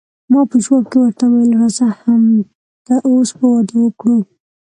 ما په جواب کې ورته وویل، راځه همد اوس به واده وکړو.